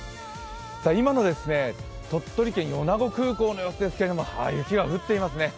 今の鳥取県・米子空港の様子ですけど、雪が降ってますね。